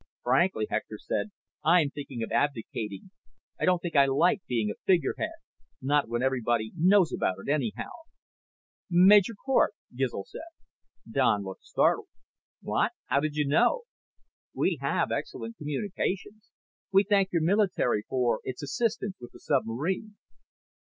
"Frankly," Hector said, "I'm thinking of abdicating. I don't think I like being a figurehead. Not when everybody knows about it, anyhow." "Major Cort," Gizl said. Don looked startled. "What? How did you know?" "We have excellent communications. We thank your military for its assistance with the submarine."